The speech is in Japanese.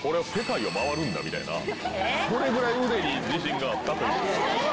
それぐらい腕に自信があったという。